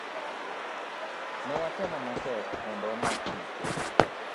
Ne watemo matek mondo wamak piche